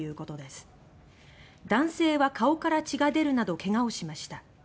男性は顔から血が出るなどけがをしました。